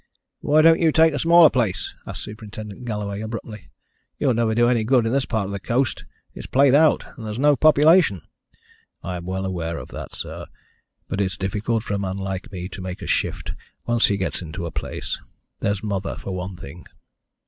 "Why don't you take a smaller place?" asked Superintendent Galloway, abruptly. "You'll never do any good on this part of the coast it's played out, and there's no population." "I'm well aware of that, sir, but it's difficult for a man like me to make a shift once he gets into a place. There's Mother for one thing."